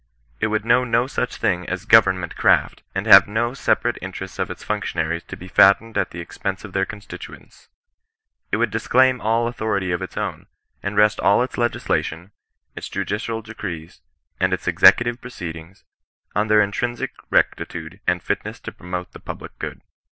It would know no such thing as government craft, and have no separate interests of its functionaries to be fattened at the ex pense of their constituents. It would disclaim all au ihority of its ow7iy and rest all its legislation, its judicial decrees, and its executive proceedings, on their intrinsic rectitude and fitness to promote the public good.